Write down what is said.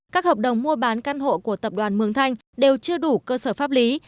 các hợp đồng mua bán căn hộ của tập đoàn mường thanh đều chưa đủ cơ sở pháp lý